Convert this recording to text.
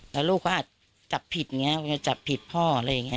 แล้วลูกก็อาจจับผิดอย่างนี้มันจะจับผิดพ่ออะไรอย่างนี้